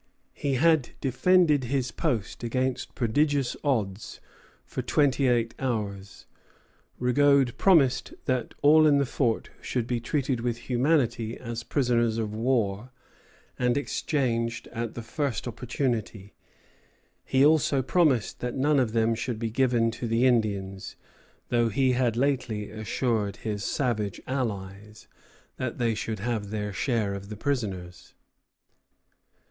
He had defended his post against prodigious odds for twenty eight hours. Rigaud promised that all in the fort should be treated with humanity as prisoners of war, and exchanged at the first opportunity. He also promised that none of them should be given to the Indians, though he had lately assured his savage allies that they should have their share of the prisoners.